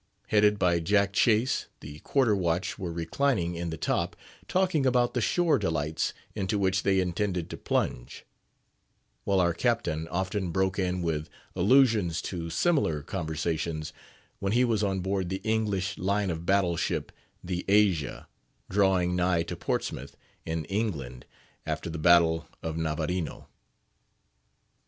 Headed by Jack Chase, the quarter watch were reclining in the top, talking about the shore delights into which they intended to plunge, while our captain often broke in with allusions to similar conversations when he was on board the English line of battle ship, the Asia, drawing nigh to Portsmouth, in England, after the battle of Navarino.